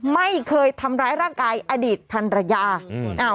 ไม่เคยทำร้ายร่างกายอดีตพันรยาอืมอ่า